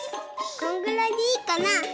こんぐらいでいいかな。